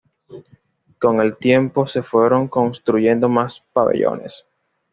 Con el tiempo se fueron construyendo más pabellones.